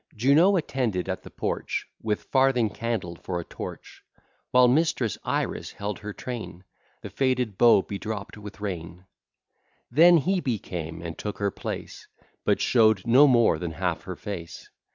Juno attended at the porch, With farthing candle for a torch; While mistress Iris held her train, The faded bow bedropt with rain. Then Hebe came, and took her place, But show'd no more than half her face.